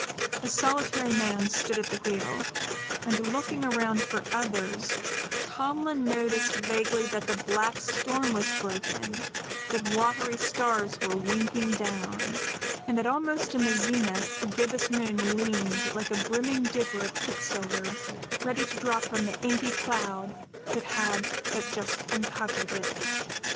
A solitary man stood at the wheel; and, looking around for others, Tomlin noticed vaguely that the black storm was broken, that watery stars were winking down, and that almost in the zenith a gibbous moon leaned like a brimming dipper of quicksilver, ready to drop from the inky cloud that had but just uncovered it.